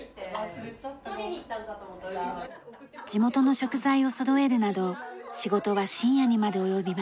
地元の食材をそろえるなど仕事は深夜にまで及びます。